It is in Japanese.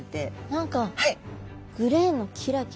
何かグレーのキラキラした体。